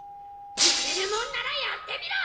やれるもんならやってみろ！